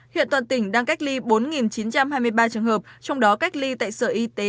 hiện toàn tỉnh đang cách ly bốn chín trăm hai mươi ba trường hợp trong đó cách ly tại sở y tế chín mươi hai